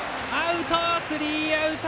スリーアウト！